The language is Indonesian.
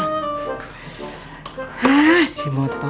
hah si motor